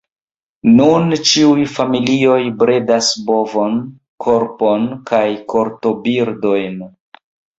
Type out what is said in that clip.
Nun ĉiuj familioj bredas bovon, porkon kaj kortobirdojn.